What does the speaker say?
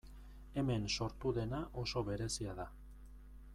Hemen sortu dena oso berezia da.